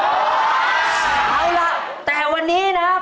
เอาล่ะแต่วันนี้นะครับ